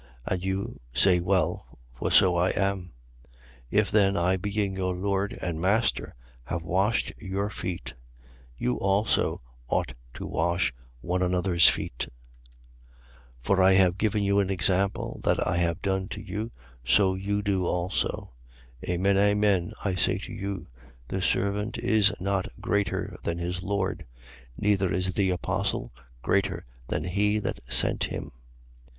And you say well: for so I am. 13:14. If then I being your Lord and Master, have washed your feet; you also ought to wash one another's feet. 13:15. For I have given you an example, that as I have done to you, so you do also. 13:16. Amen, amen, I say to you: The servant is not greater than his lord: neither is the apostle greater than he that sent him.